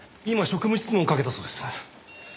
今職務質問をかけたそうです。